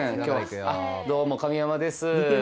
あっどうも神山です